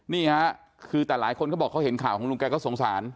นี่ค่ะคือแต่หลายคนเขาบอกเขาเห็นข่าวของลุงแกก็สงสาร